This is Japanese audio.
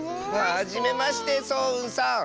はじめましてそううんさん。